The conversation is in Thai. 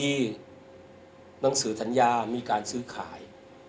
หนังสือสัญญามีการซื้อขาย